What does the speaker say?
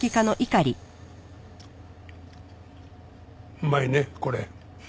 うまいねこれ。